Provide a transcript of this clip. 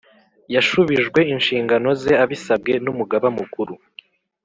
yashubijwe inshingano ze abisabwe n Umugaba Mukuru